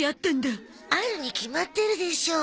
あるに決まってるでしょ。